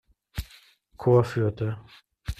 Korps führte.